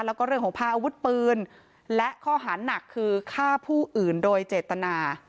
แล้วก็เรื่องของพาอาวุธปืนและข้อหาหนักคือฆ่าผู้อื่นโดยเจตนา